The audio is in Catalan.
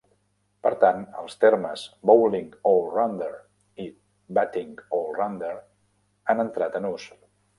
Per tant, els termes "bowling all-rounder" i "batting all-rounder" han entrat en ús.